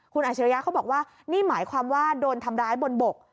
คุณอาชิริยะเขาบอกว่านี่หมายความว่าโดนทำร้ายบนบก